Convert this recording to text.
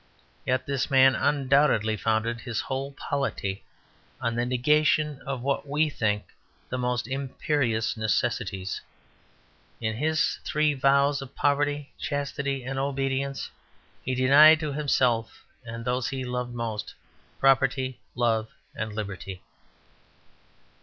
Yet this man undoubtedly founded his whole polity on the negation of what we think the most imperious necessities; in his three vows of poverty, chastity, and obedience, he denied to himself and those he loved most, property, love, and liberty.